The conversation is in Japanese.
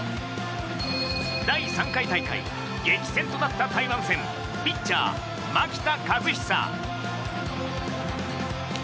第３回大会激戦となった台湾戦ピッチャー、牧田和久。